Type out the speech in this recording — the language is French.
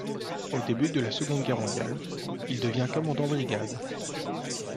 Au début de la Seconde Guerre mondiale, il devient commandant brigade.